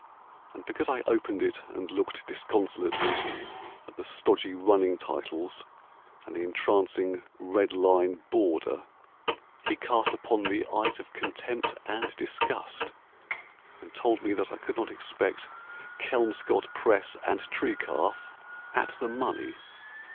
And because I opened it, And looked disconsolately at the stodgy running titles And the entrancing red line border, He cast upon me eyes of contempt and disgust, And told me that I could not expect Kelmscott Press and tree calf At the money.